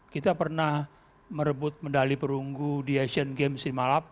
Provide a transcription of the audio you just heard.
kita pernah merebut medali perunggu di asian games lima puluh